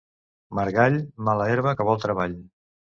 Margall, mala herba que vol treball.